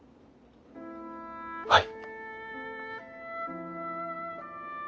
はい。